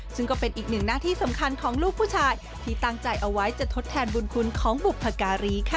ซึ่งก็เป็นอีกหนึ่งหน้าที่สำคัญของลูกผู้ชายที่ตั้งใจเอาไว้จะทดแทนบุญคุณของบุพการีค่ะ